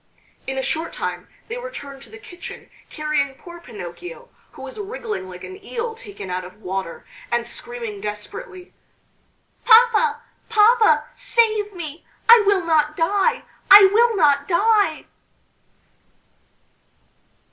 In a short time they returned to the kitchen carrying poor Pinocchio, who was wriggling like an eel taken out of water, and screaming desperately, "Papa! papa! save me! I will not die, I will not die!"